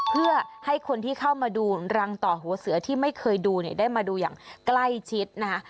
เพื่อให้คนที่เข้ามาดูรังต่อหัวเสือที่ไม่เคยดูเนี่ยได้มาดูอย่างใกล้ชิดนะคะ